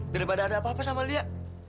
daripada ada apa apa sama dia